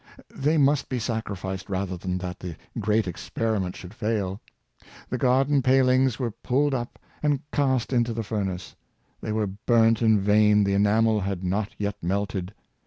They must be sacrificed rather than that the great experiment should fail. The garden palings were pulled up and cast into the furnace. They were burnt in vain! The enamel had not yet melted.